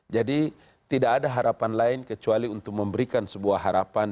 jadi tidak ada harapan lain kecuali untuk memberikan sebuah harapan